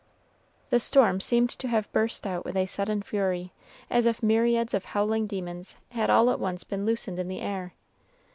The storm seemed to have burst out with a sudden fury, as if myriads of howling demons had all at once been loosened in the air.